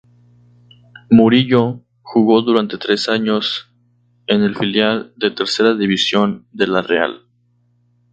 Murillo jugó durante tres años en el filial de Tercera División de la Real.